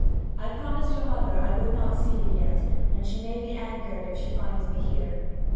I promised your Mother I would not see You yet, and she may be anger'd if she finds me here.